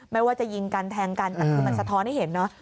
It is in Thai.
ไม่ว่าจะยิงกันแทงกันแต่คือมันสะท้อนให้เห็นเนอะ